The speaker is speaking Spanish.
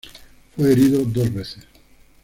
Fue herido dos veces.